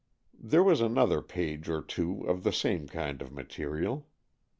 There was another page or two of the same kind of material.